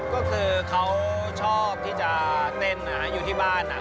ก็คือเขาชอบที่จะเต้นอยู่ที่บ้าน